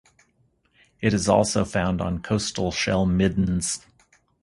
It is also found on coastal shell middens.